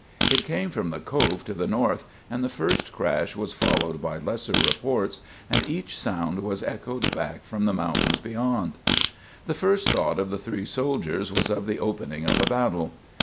It came from the Cove to the north, and the first crash was followed by lesser reports, and each sound was echoed back from the mountains beyond. The first thought of the three soldiers was of the opening of a battle.